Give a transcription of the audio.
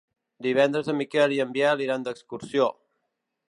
Divendres en Miquel i en Biel iran d'excursió.